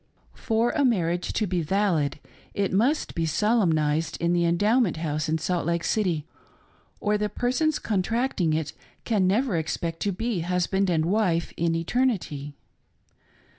For a marriage to be valid it must be solemnized in the Endowment House in Salt Lake City, or the persons contracting it can never expect to be husbandJ and wife in eternity.